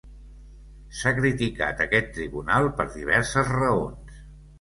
S'ha criticat aquest tribunal per diverses raons.